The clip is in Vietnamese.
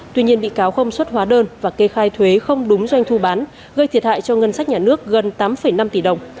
tuy nhiên bị cáo không xuất hóa đơn và kê khai thuế không đúng doanh thu bán gây thiệt hại cho ngân sách nhà nước gần tám năm tỷ đồng